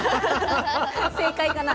正解かな？